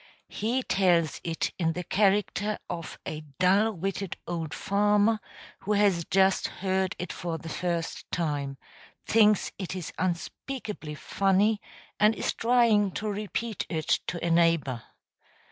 He tells it in the character of a dull witted old farmer who has just heard it for the first time, thinks it is unspeakably funny, and is trying to repeat it to a neighbor.